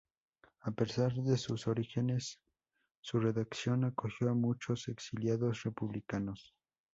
A pesar de sus orígenes, su redacción acogió a muchos exiliados republicanos.